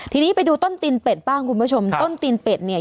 ทีนี้ไปดูต้นตีนเป็ดบ้างคุณผู้ชมต้นตีนเป็ดเนี่ย